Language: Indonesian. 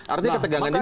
artinya ketegangan ini